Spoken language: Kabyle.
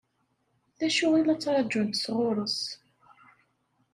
D acu i la ttṛaǧunt sɣur-s?